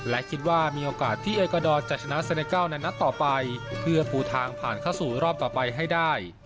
และคิดว่ามีโอกาสที่เอกวาดอร์จะชนะเซเนเกิลในนัดต่อไปเพื่อปูทางผ่านเข้าสู่รอบต่อไปให้ได้